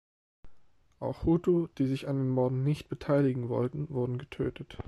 Auch Hutu, die sich an den Morden nicht beteiligen wollten, wurden getötet.